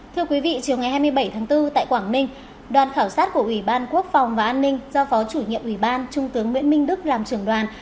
thưa quý vị chiều ngày hai mươi bảy tháng bốn tại quảng ninh đoàn khảo sát của ủy ban quốc phòng và an ninh do phó chủ nhiệm ủy ban trung tướng nguyễn minh đức làm trưởng đoàn